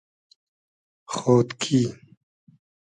خۉدکی